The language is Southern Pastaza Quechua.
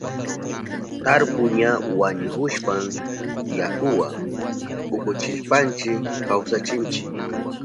Tarpu ña wañuhushpan yakuwa ukuchishpanchi kawsachinchi.